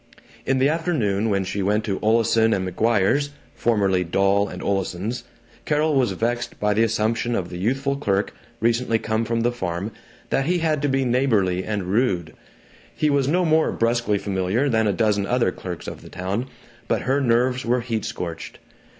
In the afternoon, when she went to Oleson & McGuire's (formerly Dahl & Oleson's), Carol was vexed by the assumption of the youthful clerk, recently come from the farm, that he had to be neighborly and rude. He was no more brusquely familiar than a dozen other clerks of the town, but her nerves were heat scorched.